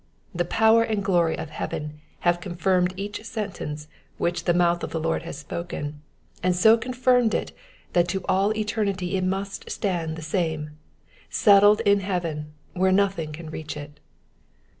The power and glory of heaven have confirmed each sentence which the mouth of the Lord has spoken, and so confirmed it that to all eternity it must stand the same, — settled in heaven, where nothing can reach it.